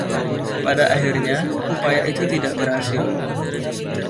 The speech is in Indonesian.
Pada akhirnya, upaya itu tidak berhasil.